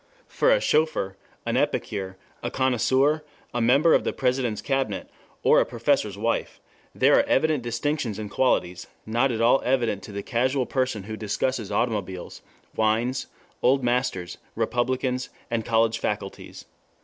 For a chauffeur, an epicure, a connoisseur, a member of the President's cabinet, or a professor's wife, there are evident distinctions and qualities, not at all evident to the casual person who discusses automobiles, wines, old masters, Republicans, and college faculties.